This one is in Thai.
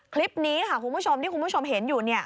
คลิปนี้ค่ะคุณผู้ชมที่คุณผู้ชมเห็นอยู่เนี่ย